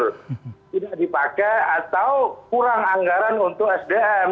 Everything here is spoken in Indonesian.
tidak dipakai atau kurang anggaran untuk sdm